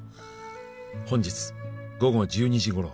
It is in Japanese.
「本日午後１２時頃」